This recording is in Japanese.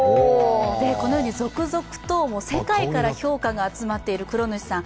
このように続々と世界から評価が集まっているクロヌシさん。